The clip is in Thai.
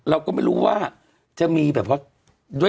เราก็ไม่รู้ว่าจะมีแบบว่าด้วย